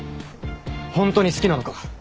ホントに好きなのか？